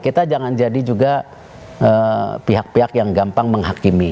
kita jangan jadi juga pihak pihak yang gampang menghakimi